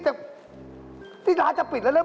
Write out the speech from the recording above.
หนูจะจำกันได้เลย